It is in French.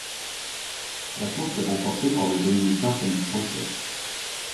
La course est remporté par le dominicain Felix Sanchez.